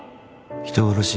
人殺し。